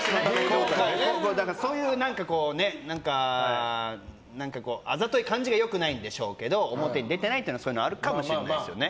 そういう、あざとい感じが良くないんでしょうけど表に出てないというのはあるかもしれないですね。